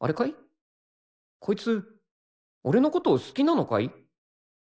こいつ俺のことを好きなのかい？